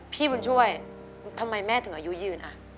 พี่บุญช่วยทำไมแม่ถึงอายุยืนอ่ะ